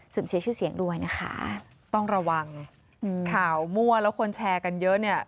เสียชื่อเสียงด้วยนะคะต้องระวังข่าวมั่วแล้วคนแชร์กันเยอะเนี่ย